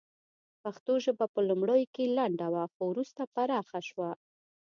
پښتو ژبه په لومړیو کې لنډه وه خو وروسته پراخه شوه